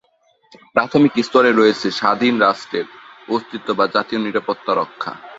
প্রাথমিক স্তরে রয়েছে রাষ্ট্রের অস্তিত্ব ও জাতীয় নিরাপত্তা রক্ষা।